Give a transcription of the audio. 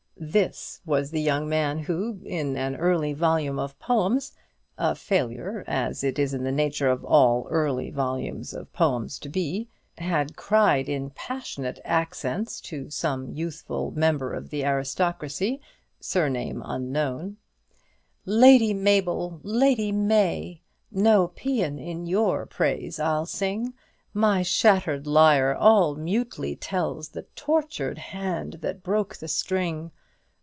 This was the young man who, in an early volume of poems a failure, as it is the nature of all early volumes of poems to be had cried in passionate accents to some youthful member of the aristocracy, surname unknown "Lady Mable, Lady May, no pæan in your praise I'll sing; My shattered lyre all mutely tells The tortured hand that broke the string.